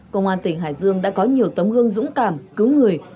công an tỉnh hải dương đã có nhiều tấm gương dũng cảm cứu người